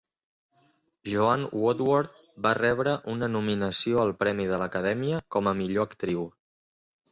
Joanne Woodward va rebre una nominació al Premi de l'Acadèmia com a millor actriu.